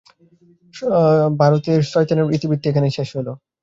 ভারতের শয়তানের ইতিবৃত্ত এইখানে শেষ হইল।